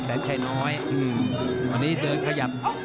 แสนชัยน้อย